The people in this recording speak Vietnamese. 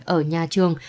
ở nhà trường